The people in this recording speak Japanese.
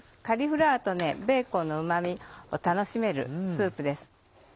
カリフラワーとベーコンのうま味を楽しめるスープです。